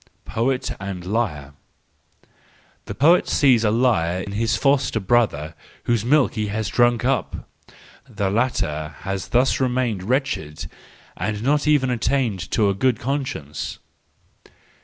Poet and Liar .—The poet sees in the liar his foster brother whose milk he has drunk up; the latter has thus remained wretched, and has not even attained to a good conscience.